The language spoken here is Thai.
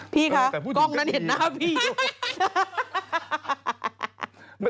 พี่คะกล้องนั้นเห็นหน้าพี่อยู่